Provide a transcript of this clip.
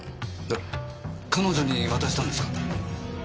えっ彼女に渡したんですか？